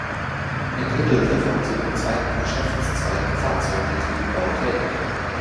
Ein Drittel davon sind im zweiten Geschäftszweig Fahrzeuggetriebe-Bau tätig.